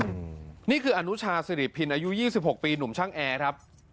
นี่คืออนุชาสิริพินอายุยี่สิบหกปีหนุ่มช่างแอร์ครับ